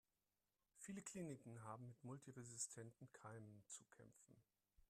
Viele Kliniken haben mit multiresistenten Keimen zu kämpfen.